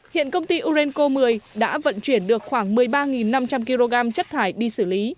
hiện công ty urenco một mươi đã vận chuyển được khoảng một mươi ba năm trăm linh kg chất thải đi xử lý